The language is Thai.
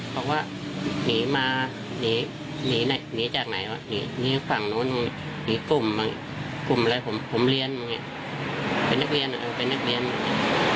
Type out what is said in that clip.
เป็นนักเรียนอะค่ะเป็นนักเรียนอะค่ะ